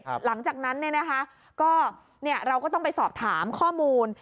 หลังจากนั้นเนี่ยนะคะก็เนี่ยเราก็ต้องไปสอบถามข้อมูล